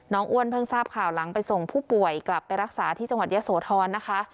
อ้วนเพิ่งทราบข่าวหลังไปส่งผู้ป่วยกลับไปรักษาที่จังหวัดเยอะโสธรนะคะ